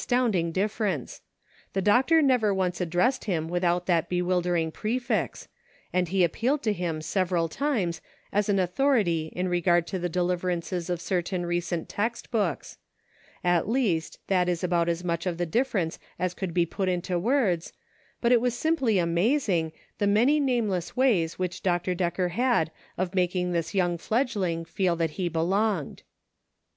299 tounding difference : the doctor never once ad dressed him without that bewildering prefix, and he appealed to him several times as an authority in regard to the deliverances of certain recent text books ; at least, that is about as much of the differ ence as could be put into words, but it was simply amazing, the man}^ nameless ways which Dr. Decker had of making this young fledgeling feel that he belonged.